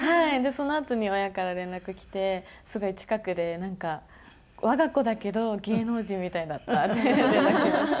そのあとに親から連絡来てすごい近くでなんか我が子だけど芸能人みたいだったって連絡来ました。